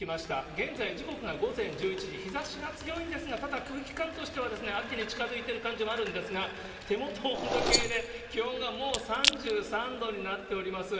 現在、時刻が午前１１時、日ざしが強いんですが、ただ空気感としては秋に近づいてる感じもあるんですが、手元の温度計で気温がもう３３度になっております。